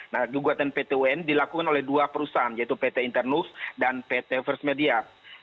nah gugatan pt un dilakukan oleh dua perusahaan yaitu pt internus dan pt first media